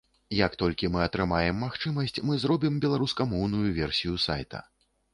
Як толькі мы атрымаем магчымасць, мы зробім беларускамоўную версію сайта.